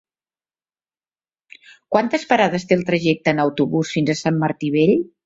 Quantes parades té el trajecte en autobús fins a Sant Martí Vell?